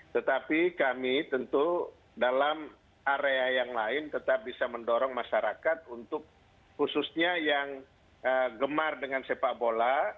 tetapi kami tentu dalam area yang lain tetap bisa mendorong masyarakat untuk khususnya yang gemar dengan sepak bola